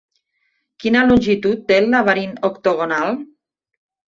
Quina longitud té el laberint octogonal?